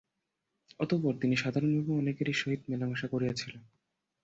অতঃপর তিনি সাধারণভাবে অনেকেরই সহিত মেলামেশা করিয়াছিলেন।